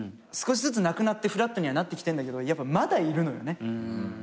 少しずつなくなってフラットにはなってきてんだけどやっぱまだいるのよね。